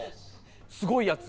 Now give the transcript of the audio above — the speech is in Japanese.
すごいやつ。